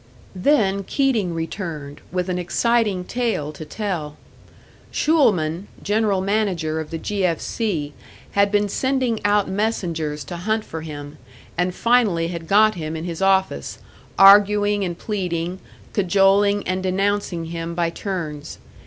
Then Keating returned, with an exciting tale to tell. Schulman, general manager of the "G. F. C.," had been sending out messengers to hunt for him, and finally had got him in his office, arguing and pleading, cajoling and denouncing him by turns.